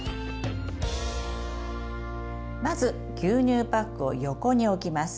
まず牛乳パックを横に置きます。